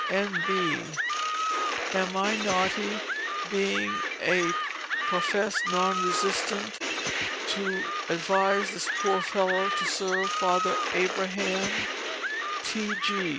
N.B. Am I naughty, being a professed non resistant, to advise this poor fellow to serve Father Abraham?